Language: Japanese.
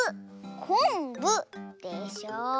「こんぶ」でしょ。